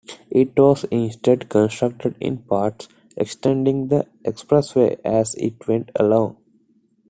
It was instead constructed in parts extending the expressway as it went along.